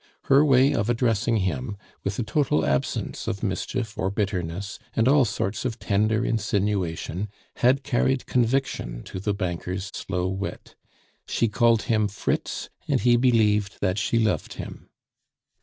Her way of addressing him, with a total absence of mischief or bitterness, and all sorts of tender insinuation, had carried conviction to the banker's slow wit; she called him Fritz, and he believed that she loved him.